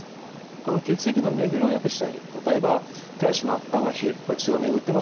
この血液の巡りをよくしてあげる例えば手足末端が冷えるこれは血が巡ってませんよね。